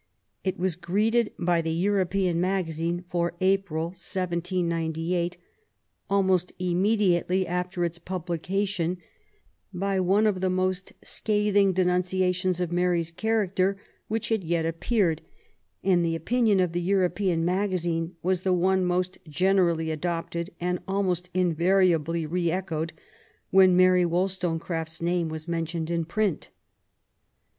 It was greeted by the European Magazine for April, 1798, almost immediately after its publication, by one of the most scathing denunciations of Mary^s character which had yet appeared, and the opinion of the European Magazine was the one most generally adopted, and almost invariably re echoed when Mary Wollstone craft's name was mentioned in print.